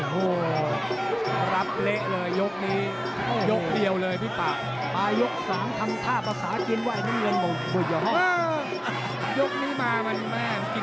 ไม่เล็งไปเลยนะครับความสมภาษณ์